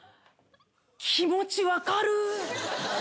気持ちわかる。